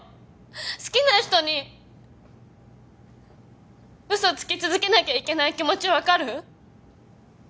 好きな人に嘘つき続けなきゃいけない気持ち分かる？